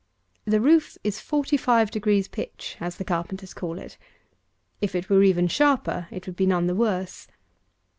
The roof is forty five degrees pitch, as the carpenters call it. If it were even sharper, it would be none the worse.